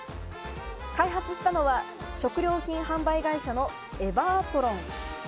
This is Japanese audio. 開発したのは食料品販売会社のエバートロン。